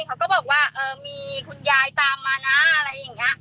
เขาก็บอกว่าเออมีคุณยายตามมานะอะไรอย่างนี้